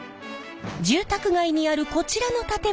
住宅街にあるこちらの建物に向かうと。